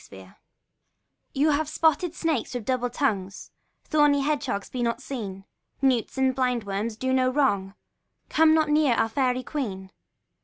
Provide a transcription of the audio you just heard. THE FAIRIES' SONG You spotted snakes with double tongue, Thorny hedge hogs, be not seen ; Newts, and blind worms, do no wrong ; Come not near our fairy queen.